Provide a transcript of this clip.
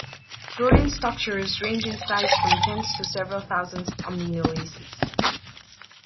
Protein structures range in size from tens to several thousand amino acids.